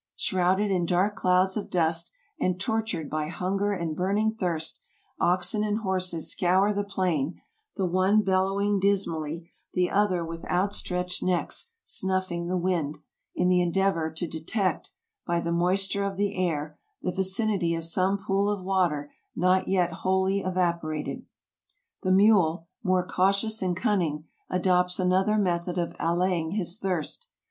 Shrouded in dark clouds of dust, and tortured by hunger and burning thirst, oxen and horses scour the plain, the one bellowing dis mally, the other with outstretched necks snuffing the wind, in the endeavor to detect, by the moisture of the air, the vicinity of some pool of water not yet wholly evaporated. The mule, more cautious and cunning, adopts another method of allaying his thirst.